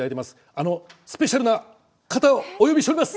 あのスペシャルな方をお呼びしております。